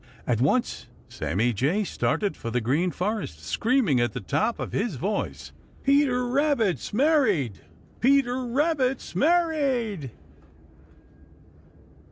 At once Sammy Jay started for the Green Forest, screaming at the top of his voice: "Peter Rabbit's married! Peter Rabbit's married!"